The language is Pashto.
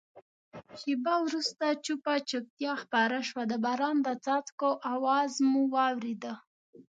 شېبه وروسته چوپه چوپتیا خپره شوه، د باران د څاڅکو آواز مو اورېده.